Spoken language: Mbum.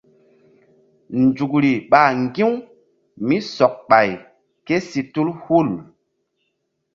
Nzukri ɓa ŋgi̧-u mí sɔk ɓay ké si tul hul.